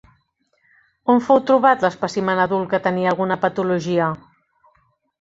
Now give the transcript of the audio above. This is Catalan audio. On fou trobat l'espècimen adult que tenia alguna patologia?